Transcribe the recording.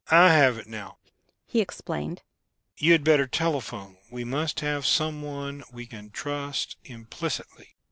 "I have it now," he explained. "You had better telephone we must have someone we can trust implicitly."